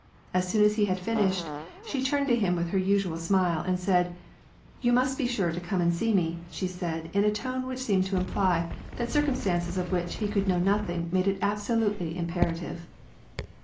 As soon as he had finished, she turned to him with her usual smile, and said, —" You must be sure to come and see me," said she, in a tone which seemed to imply that circumstances of which he could know nothing made it absolutely imperative.